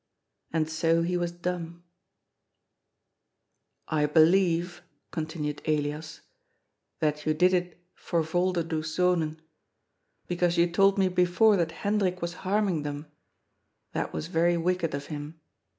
And so he was dumb. " I believe," continued Elias, " that you did it for Vol derdoes Zonen. Because you told me before that Hendrik was harming them. That was very wicked of him.